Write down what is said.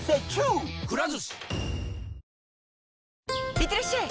いってらっしゃい！